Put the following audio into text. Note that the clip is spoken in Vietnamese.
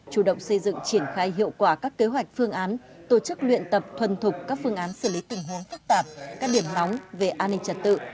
chủ động xây dựng triển khai hiệu quả các kế hoạch phương án tổ chức luyện tập thuần thục các phương án xử lý tình huống phức tạp các điểm nóng về an ninh trật tự